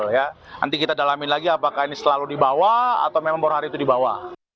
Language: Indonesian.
nanti kita dalamin lagi apakah ini selalu dibawa atau memang baru hari itu dibawa